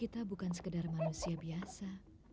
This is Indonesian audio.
kita bukan sekedar manusia biasa